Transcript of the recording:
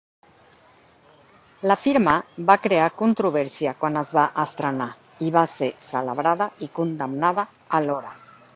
"La firma" va crear controvèrsia quan es va estrenar, i va ser celebrada i condemnada alhora.